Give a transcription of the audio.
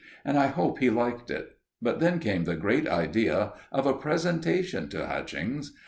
And I hope he liked it. But then came the great idea of a presentation to Hutchings.